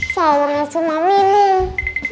saatnya tsunami nih